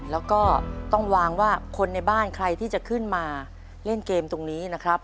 แล้วก็ต้องวางว่าคนในบ้านใครที่จะขึ้นมาเล่นเกมตรงนี้นะครับ